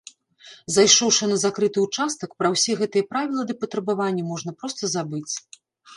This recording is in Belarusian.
Зайшоўшы на закрыты ўчастак, пра ўсе гэтыя правілы ды патрабаванні можна проста забыць.